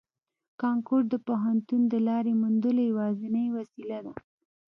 کانکور د پوهنتون د لارې موندلو یوازینۍ وسیله ده